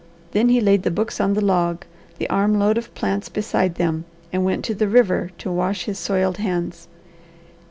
Then he laid the books on the log, the arm load of plants beside them, and went to the river to wash his soiled hands.